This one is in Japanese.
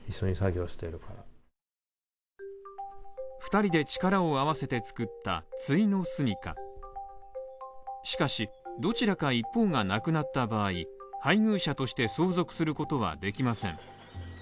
２人で力を合わせて作ったついのすみかしかし、どちらか一方が亡くなった場合、配偶者として相続することはできません。